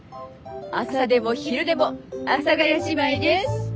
朝でも昼でも阿佐ヶ谷姉妹です！